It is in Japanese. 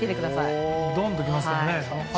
ドンときますよね。